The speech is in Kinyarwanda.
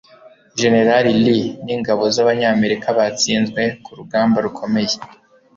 jenerali lee n'ingabo z'abanyamerika batsinzwe ku rugamba rukomeye